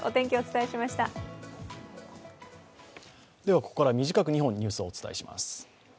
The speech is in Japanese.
ここから短く２本、ニュースをお伝えします。